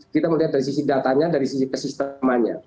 kita melihat dari sisi datanya dari sisi kesistemanya